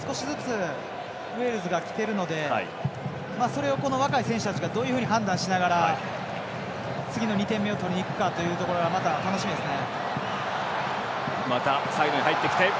少しずつウェールズがきているので若い選手たちがどう判断しながら次の２点目を取りにいくかというところは楽しみですね。